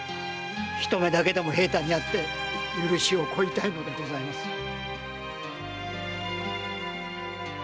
一目だけでも平太に会って許しを乞いたいのでございます。